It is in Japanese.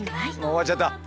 終わっちゃった。